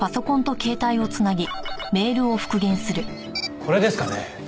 これですかね？